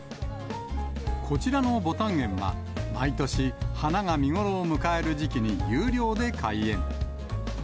こちらのぼたん園は、毎年、花が見頃を迎える時期に有料で開園。